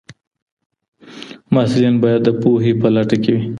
محصلین باید د پوهي په لټه کي وي.